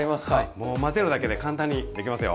もう混ぜるだけで簡単にできますよ。